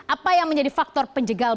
apa yang menjadi faktor penjegal